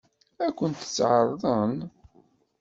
Ad kent-tt-ɛeṛḍen?